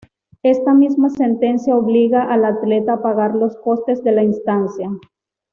Esta misma sentencia obliga al atleta a pagar los costes de la instancia.